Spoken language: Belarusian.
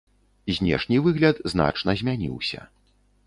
Знешні выгляд значна змяніўся.